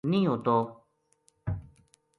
نیہہ ہوتو